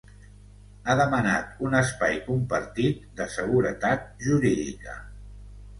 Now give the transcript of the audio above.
Ha demanat un espai compartit de seguretat jurídica.